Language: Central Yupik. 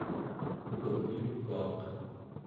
qugyuguaq